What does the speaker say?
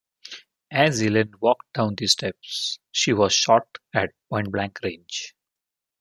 As Ellen walked down the steps, she was shot at point blank range.